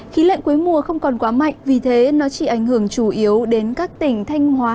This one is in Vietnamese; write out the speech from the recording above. khí lạnh cuối mùa không còn quá mạnh vì thế nó chỉ ảnh hưởng chủ yếu đến các tỉnh thanh hóa